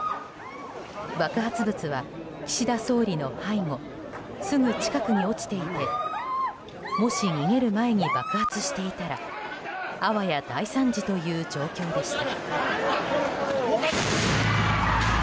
爆発物は、岸田総理の背後すぐ近くに落ちていてもし逃げる前に爆発していたらあわや大惨事という状況でした。